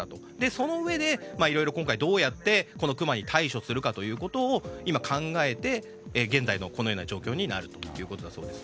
そのうえでいろいろ今回、どうやってクマに対処するかということを今考えて、現在の状況になるということだそうです。